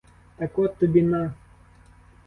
Так от тобі на!